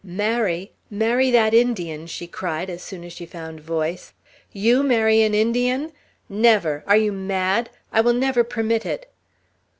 "Marry! Marry that Indian!" she cried, as soon as she found voice. "You marry an Indian? Never! Are you mad? I will never permit it."